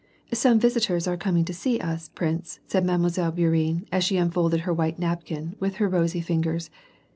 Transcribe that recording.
" So some visitors are coming to see us, prince," said ^Clle. Bourienne, as she unfolded her white napkin with her rosy fingers.